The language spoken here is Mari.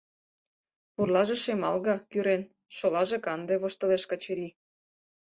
Пурлаже шемалге-кӱрен, шолаже канде, — воштылеш Качырий.